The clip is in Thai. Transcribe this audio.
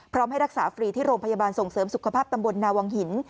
ให้รักษาฟรีที่โรงพยาบาลส่งเสริมสุขภาพตำบลนาวังหิน